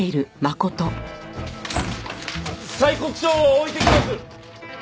催告書を置いていきます。